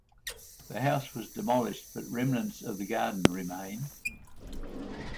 The house was demolished but remnants of the garden remain.